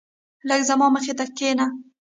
لږ زما مخی ته کينه